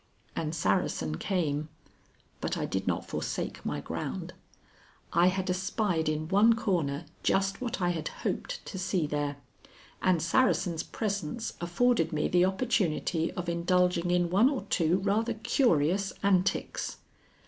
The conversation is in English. And Saracen came, but I did not forsake my ground. I had espied in one corner just what I had hoped to see there, and Saracen's presence afforded me the opportunity of indulging in one or two rather curious antics.